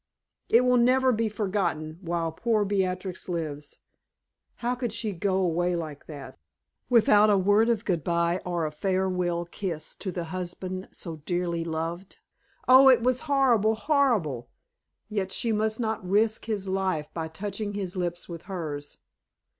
It will never be forgotten while poor Beatrix lives. How could she go away like that, without a word of good bye or a farewell kiss to the husband so dearly loved? Oh, it was horrible, horrible! Yet she must not risk his life by touching his lips with hers.